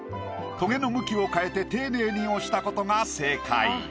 トゲの向きを変えて丁寧に押したことが正解。